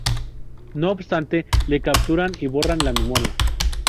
No obstante, le capturan y borran la memoria.